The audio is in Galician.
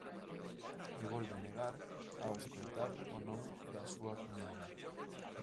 E volve negar ao escoitar o nome da súa cuñada.